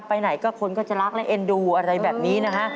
ไปไหนก็คนก็จะรักและเอ็นดูอะไรแบบนี้นะฮะ